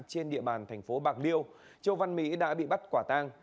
trên địa bàn thành phố bạc liêu châu văn mỹ đã bị bắt quả tang